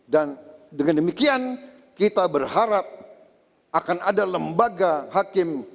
dengan demikian kita berharap akan ada lembaga hakim